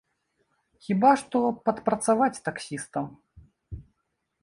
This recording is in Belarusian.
Хіба што падпрацаваць таксістам.